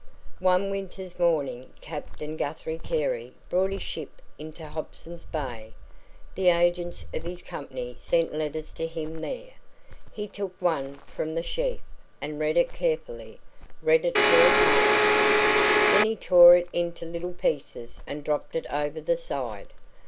One winter's morning Captain Guthrie Carey brought his ship into Hobson's Bay. The agents of his company sent letters to him there. He took one from the sheaf, and read it carefully read it four times. Then he tore it into little pieces and dropped it over the side.